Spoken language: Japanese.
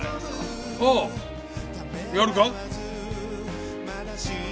ああやるか？